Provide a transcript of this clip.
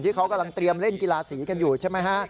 ที่เขากำลังเตรียมเล่นกีฬาสีกันอยู่ใช่ไหมฮะ